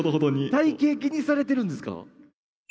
体形、気にされてるんですか？